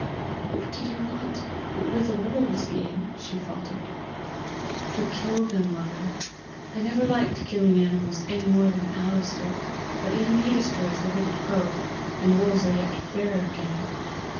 "What did you want with the wolves, Ian?" she faltered. "To kill them, mother. I never liked killing animals any more than Alister; but even he destroys the hooded crow; and wolves are yet fairer game.